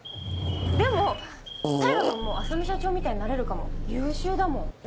でも大牙君も浅海社長みたいになれるかも優秀だもん！